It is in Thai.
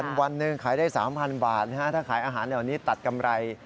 วันหนึ่งขายได้๓๐๐บาทถ้าขายอาหารแถวนี้ตัดกำไร